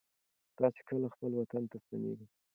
تاسې کله خپل وطن ته ستنېږئ؟